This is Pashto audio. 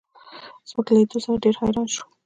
زموږ له لیدو سره ډېر حیران شو.